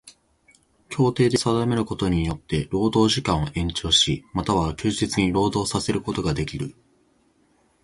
協定で定めるところによつて労働時間を延長し、又は休日に労働させることができる。